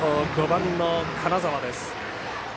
５番の金沢です。